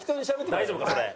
大丈夫かそれ。